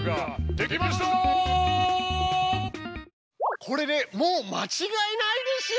これでもう間違えないですよ！